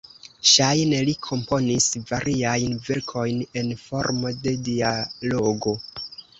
Ŝajne li komponis variajn verkojn en formo de dialogo.